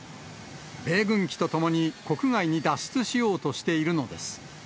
米軍機とともに、国外に脱出しようとしているのです。